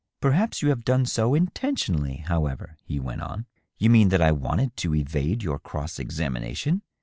" Perhaps you have done so intentionally, however," he went on, " You mean that I wanted to evade your cross examination